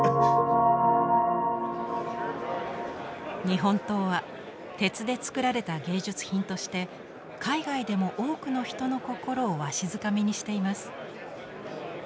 日本刀は鉄でつくられた芸術品として海外でも多くの人の心をわしづかみにしています。